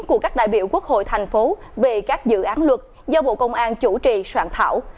của các đại biểu quốc hội thành phố về các dự án luật do bộ công an chủ trì soạn thảo